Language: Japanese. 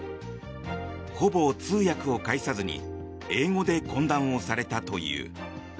ほぼ通訳を介さずに英語で懇談をされたという。